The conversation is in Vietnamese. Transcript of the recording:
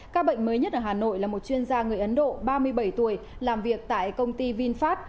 các bệnh mới nhất ở hà nội là một chuyên gia người ấn độ ba mươi bảy tuổi làm việc tại công ty vinfast